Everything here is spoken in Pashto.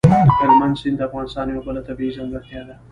هلمند سیند د افغانستان یوه بله طبیعي ځانګړتیا ده.